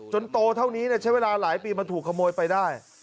โตเท่านี้ใช้เวลาหลายปีมาถูกขโมยไปได้